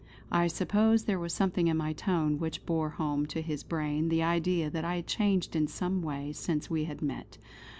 I suppose there was something in my tone which bore home to his brain the idea that I had changed in some way since we had met.